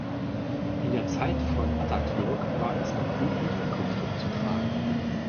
In der Zeit von Atatürk war es noch üblich, ein Kopftuch zu tragen.